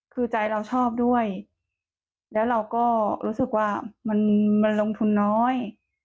คือใจเราชอบด้วยแล้วเราก็รู้สึกว่ามันลงทุนน้อย